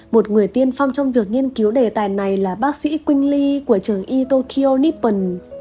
một người tiên phong trong việc nghiên cứu đề tài này là bác sĩ quynh ly của trường y tokyo nippon